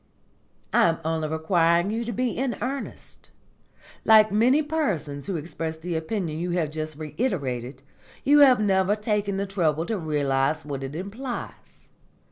"I am only requiring you to be in earnest. Like many persons who express the opinion you have just reiterated, you have never taken the trouble to realise what it implies.